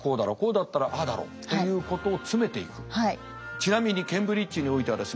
ちなみにケンブリッジにおいてはですね